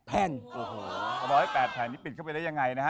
๑๐๘แผ่นนี้ปิดเข้าไปได้ยังไงนะฮะ